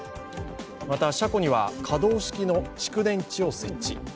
また車庫には、可動式の蓄電池を設置。